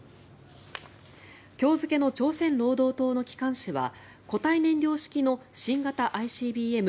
今日付の朝鮮労働党の機関紙は固体燃料式の新型ＩＣＢＭ